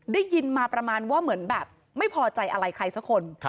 ได้ยินมาประมาณว่าเหมือนแบบไม่พอใจอะไรใครสักคน